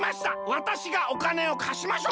わたしがおかねをかしましょう！